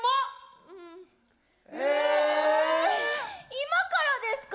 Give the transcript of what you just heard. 今からですか？